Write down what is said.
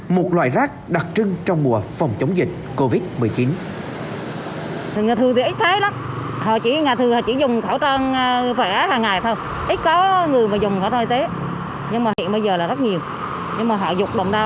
một loại rác đặc trưng trong mùa phòng chống dịch covid một mươi chín